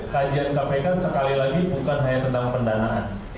kajian kpk sekali lagi bukan hanya tentang pendanaan